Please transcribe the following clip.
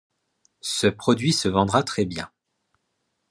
Ce produit se vendra très bien.